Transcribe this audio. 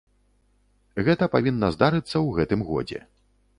Гэта павінна здарыцца ў гэтым годзе.